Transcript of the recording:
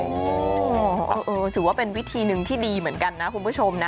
โอ้โหถือว่าเป็นวิธีหนึ่งที่ดีเหมือนกันนะคุณผู้ชมนะ